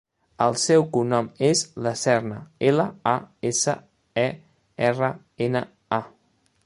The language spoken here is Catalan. El seu cognom és Laserna: ela, a, essa, e, erra, ena, a.